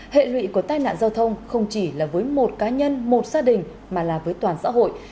hệ lụy của tai nạn giao thông không chỉ là với một cá nhân một gia đình mà là với toàn xã hội